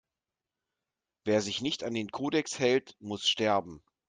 Wer sich nicht an den Kodex hält, muss sterben!